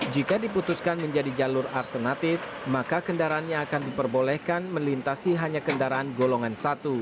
jika diputuskan menjadi jalur alternatif maka kendaraan yang akan diperbolehkan melintasi hanya kendaraan golongan satu